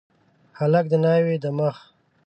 هلک د ناوي د مخ